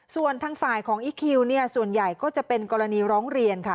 ส่วนทางฝ่ายของอีคคิวเนี่ยส่วนใหญ่ก็จะเป็นกรณีร้องเรียนค่ะ